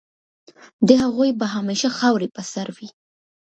د هغوی به همېشه خاوري په سر وي